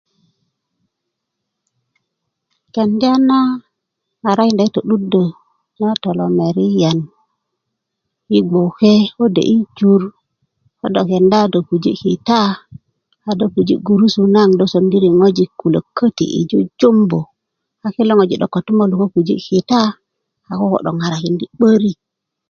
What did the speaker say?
kends na ŋarakinda yi to'ddö na tolomeriyan yi gboke kode' yi jur ko do kenda a dk puji kenda a do puji' gurudu nagoŋ do sondiri ŋojik köluk köti yi sukulu yi jujumbu a kilo ŋojik 'dok kotumolu ko puji kita a koko 'dok ko ŋarakindi 'börik